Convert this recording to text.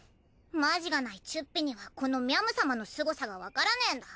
マジがないチュッピにはこのみゃむ様のすごさがわからねえんだ！